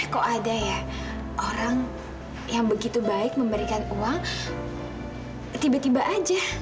kok ada ya orang yang begitu baik memberikan uang tiba tiba aja